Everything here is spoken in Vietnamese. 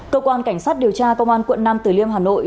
cơ quan cảnh sát điều tra công an quận nam tử liêm hà nội